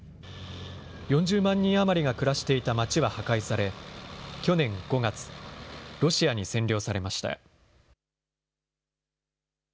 ４０万人余りが暮らしていた街は破壊され、去年５月、ロシアに占領されました。